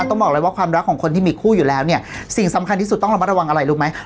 ต้องบอกเลยว่าความรักของคนที่มีคู่อยู่แล้วเนี่ยสิ่งสำคัญที่สุดต้องระมัดระวังอะไรรู้ไหม